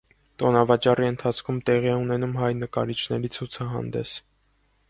Տոնավաճառի ընթացքում տեղի է ունենում հայ նկարիչների ցուցահանդես։